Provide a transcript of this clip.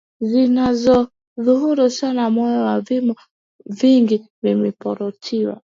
zinazodhuru sana moyo na vifo vingi vimeripotiwa